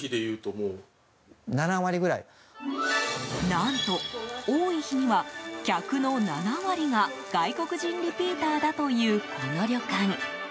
何と、多い日には客の７割が外国人リピーターだというこの旅館。